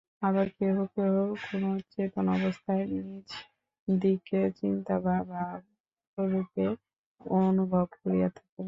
আবার কেহ কেহ কোন চেতন অবস্থায় নিজদিগকে চিন্তা বা ভাবরূপে অনুভব করিয়া থাকেন।